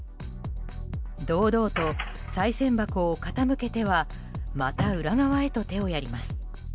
堂々とさい銭箱を傾けてはまた裏側へと手をやります。